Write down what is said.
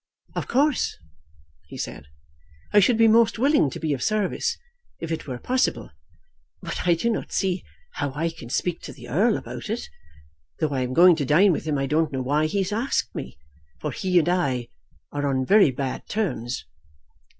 "Of course," he said, "I should be most willing to be of service, if it were possible. But I do not see how I can speak to the Earl about it. Though I am going to dine with him I don't know why he has asked me; for he and I are on very bad terms.